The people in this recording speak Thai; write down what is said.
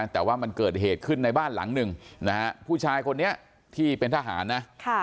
แต่ว่ามันเกิดเหตุขึ้นในบ้านหลังหนึ่งนะฮะผู้ชายคนนี้ที่เป็นทหารนะ